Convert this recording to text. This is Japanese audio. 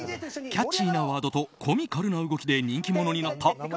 キャッチーなワードとコミカルな動きで人気になったＧＯ！